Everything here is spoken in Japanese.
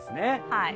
はい。